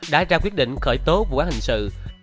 đã ra quyết định khởi tố vụ án hình sự